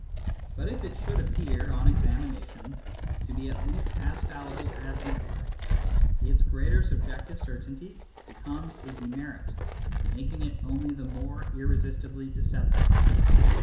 But if it should appear, on examination, to be at least as fallible as intellect, its greater subjective certainty be comes a demerit, making it only the more irresistibly deceptive.